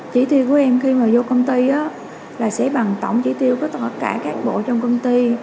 chỉ tiêu của em khi mà vô công ty là sẽ bằng tổng chỉ tiêu của tất cả các bộ trong công ty